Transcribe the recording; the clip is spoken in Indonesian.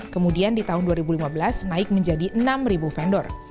kemudian di tahun dua ribu lima belas naik menjadi enam vendor